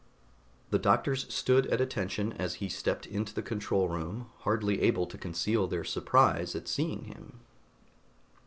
The doctors stood at attention as he stepped into the control room, hardly able to conceal their surprise at seeing him.